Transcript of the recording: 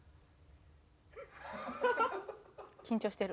緊張してる。